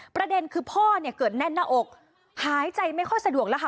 ประเด็นคือพ่อเนี่ยเกิดแน่นหน้าอกหายใจไม่ค่อยสะดวกแล้วค่ะ